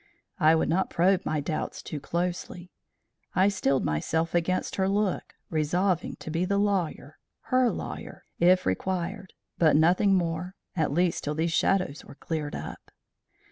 I would not probe my doubts too closely. I steeled myself against her look, resolving to be the lawyer her lawyer if required, but nothing more, at least till these shadows were cleared up.